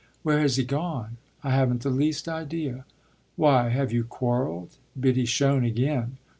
"Where has he gone?" "I haven't the least idea." "Why, have you quarrelled?" Biddy shone again.